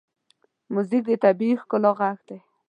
موزیک د طبیعي ښکلا غږ دی.